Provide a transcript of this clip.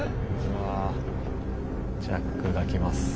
うわあジャックが来ます。